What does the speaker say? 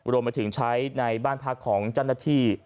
รวมมาถึงใช้ในบ้านพักของจันทรธิ